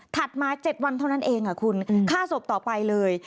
มา๗วันเท่านั้นเองคุณฆ่าศพต่อไปเลย